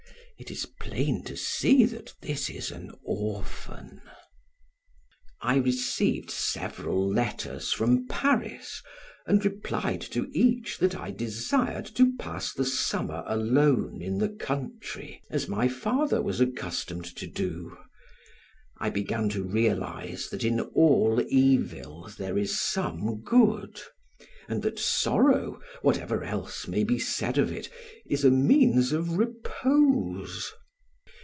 It is plain to see that this is an orphan." I received several letters from Paris and replied to each that I desired to pass the summer alone in the country, as my father was accustomed to do. I began to realize that in all evil there is some good, and that sorrow, whatever else may be said of it, is a means of repose.